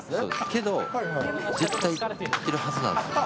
けど、絶対行ってるはずなんですよね。